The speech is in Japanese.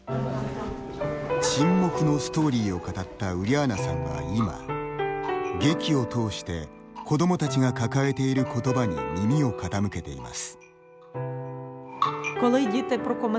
「沈黙」のストーリーを語ったウリャーナさんは今、劇を通して子どもたちが抱えている言葉に耳を傾けています。